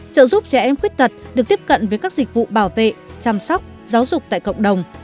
trợ giúp trẻ em khuyết tật được tiếp cận với các dịch vụ bảo vệ chăm sóc giáo dục tại cộng đồng